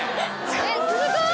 すごーい！